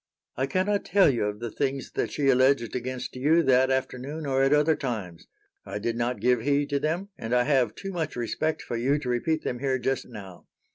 "I cannot tell you of the things that she alleged against you that afternoon or at other times. I did not give heed to them, and I have too much respect for you to repeat them here just now.